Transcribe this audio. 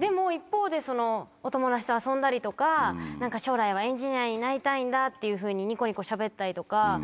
でも一方でお友達と遊んだりとか将来はエンジニアになりたいんだっていうふうにニコニコしゃべったりとか。